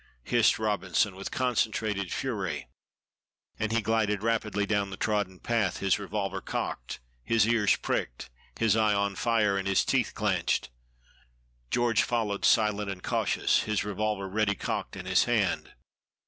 hissed. Robinson, with concentrated fury. And he glided rapidly down the trodden path, his revolver cocked, his ears pricked, his eye on fire, and his teeth clinched. George followed, silent and cautious, his revolver ready cocked in his hand.